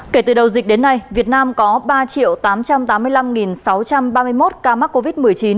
kể từ đầu dịch đến nay việt nam có ba tám trăm tám mươi năm sáu trăm ba mươi một ca mắc covid một mươi chín